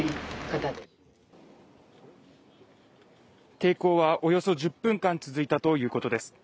抵抗はおよそ１０分間続いたということです。